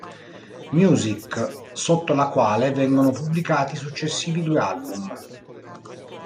Music, sotto la quale vengono pubblicati i successivi due album.